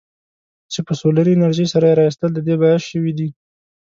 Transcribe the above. چې په سولري انرژۍ سره یې رایستل د دې باعث شویدي.